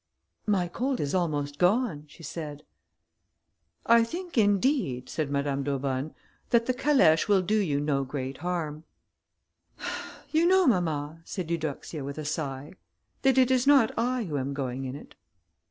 "My cold is almost gone," she said. "I think, indeed," said Madame d'Aubonne, "that the calèche will do you no great harm." "You know, mamma," said Eudoxia, with a sigh, "that it is not I who am going in it."